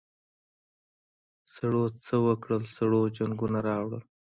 سړو څه وکل سړو جنګونه راوړل.